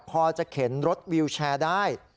พอจะเข็นรถวิวแชร์ได้